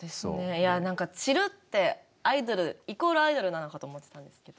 いや何か散るってアイドルイコールアイドルなのかと思ってたんですけど。